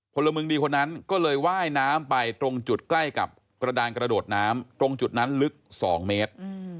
พลเมืองดีคนนั้นก็เลยว่ายน้ำไปตรงจุดใกล้กับกระดานกระโดดน้ำตรงจุดนั้นลึก๒เมตร